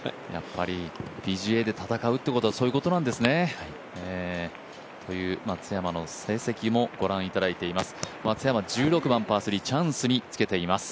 ＰＧＡで戦うってことはそういうことなんですね。という松山の成績もご覧いただいています。